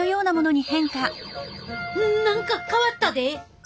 何か変わったで！